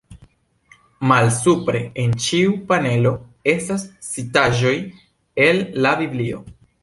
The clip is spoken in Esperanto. Malsupre en ĉiu panelo, estas citaĵoj el la Biblio.